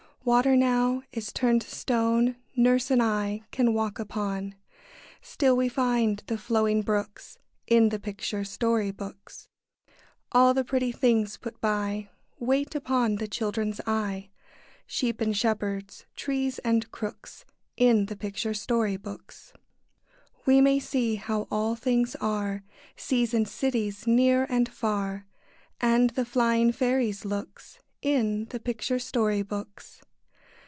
Water now is turned to stone Nurse and I can walk upon; Still we find the flowing brooks In the picture story books. All the pretty things put by, Wait upon the children's eye, Sheep and shepherds, trees and crooks, In the picture story books. We may see how all things are, Seas and cities, near and far, And the flying fairies' looks, In the picture story books.